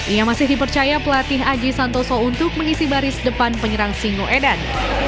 ia masih dipercaya pelatih aji santoso untuk mengisi baris depan penyerang singoedan